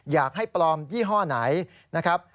อยากให้ปลอมยี่ห้อไหนนะครับ